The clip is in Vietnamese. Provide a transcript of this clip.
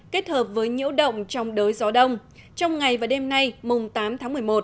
kết hợp với nhiễu động trong đới gió đông trong ngày và đêm nay mùng tám tháng một mươi một